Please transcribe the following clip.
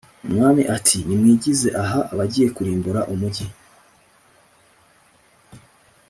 Umwami ati nimwigize ha abagiye kurimbura umugi